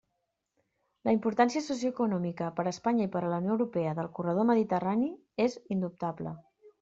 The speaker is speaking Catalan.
La importància socioeconòmica, per a Espanya i per a la Unió Europea, del corredor mediterrani és indubtable.